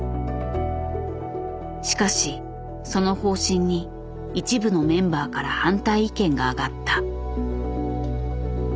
しかしその方針に一部のメンバーから反対意見があがった。